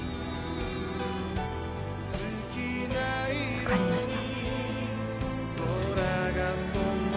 わかりました。